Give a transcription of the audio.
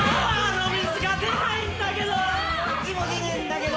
こっちも出ねえんだけど。